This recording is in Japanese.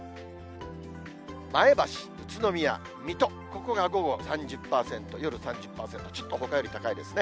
前橋、宇都宮、水戸、ここが午後３０％、夜３０％、ちょっとほかより高いですね。